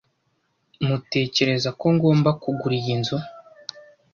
Mutekereza ko ngomba kugura iyi nzu?